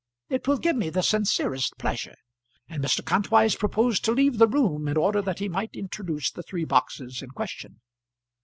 It will give me the sincerest pleasure." And Mr. Kantwise proposed to leave the room in order that he might introduce the three boxes in question.